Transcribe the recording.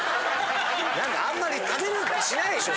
何かあんまり食べる気しないでしょ。